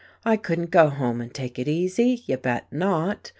I couldn't go home and take it easy you bet not.